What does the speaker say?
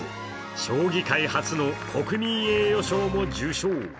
将棋界初の国民栄誉賞も受賞。